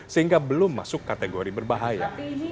sehingga belum masuk kategori berbahaya